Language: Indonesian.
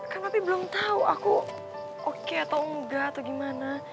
kan tapi belum tahu aku oke atau enggak atau gimana